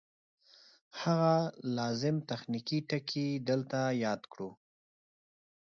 هغه لازم تخنیکي ټکي دلته یاد کړو